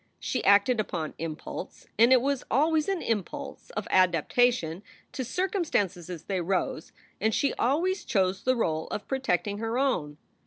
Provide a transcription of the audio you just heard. She acted upon impulse, and it was always an impulse of adaptation to circumstances as they rose, and she always chose the role of protecting her own.